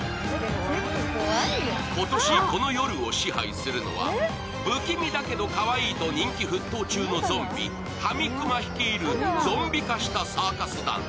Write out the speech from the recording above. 今年、この夜を支配するのは不気味だけどかわいいと人気沸騰中のゾンビ、ハミクマ率いるゾンビ化したサーカス団。